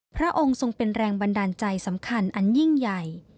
พระองค์ทรงเป็นแรงบันดาลใจสำคัญอันยิ่งใหญ่